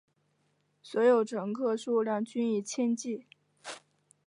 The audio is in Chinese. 所有乘客数量均以千计。